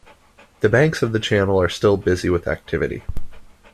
The banks of the channel are still busy with activity.